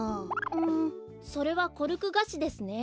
んそれはコルクガシですね。